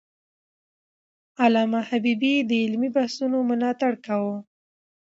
علامه حبيبي د علمي بحثونو ملاتړ کاوه.